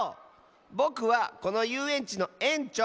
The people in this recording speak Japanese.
ぼくはこのゆうえんちのえんちょう。